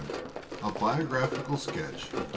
] A BIOGRAPHICAL SKETCH OF DR.